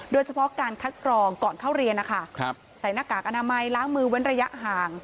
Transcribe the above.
โดยเฉพาะการคัดกรองก่อนเข้าเรียนนะคะใส่หน้ากากอนามัยล้างมือเว้นระยะห่าง